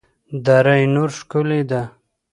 دره نور ښکلې ده؟